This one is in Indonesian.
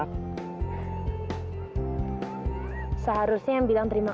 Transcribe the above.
kalau ada hal keterangan dari kamu beneran enak